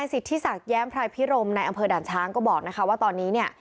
สิทธิศักดิ์แย้มพรายพิรมในอำเภอด่านช้างก็บอกนะคะว่าตอนนี้เนี่ย